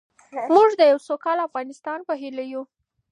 موږ د یو سوکاله افغانستان په هیله یو.